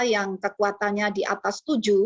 yang kekuatannya di atas tujuh